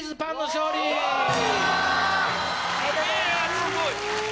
すごい！